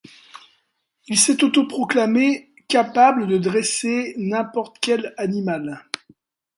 Il s'est auto-proclamé capable de dresser n'importe quel animal.